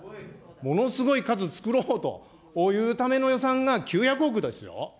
ものすごい数、作ろうというための予算が９００億ですよ。